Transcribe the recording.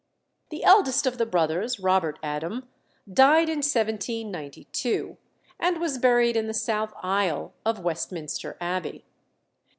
] The eldest of the brothers, Robert Adam, died in 1792, and was buried in the south aisle of Westminster Abbey.